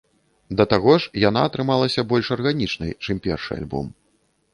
Да таго ж, яна атрымалася больш арганічнай, чым першы альбом.